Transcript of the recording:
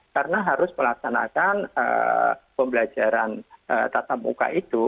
karena harus melaksanakan pembelajaran tata muka itu